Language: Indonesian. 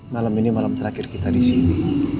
malam ini malam terakhir kita disini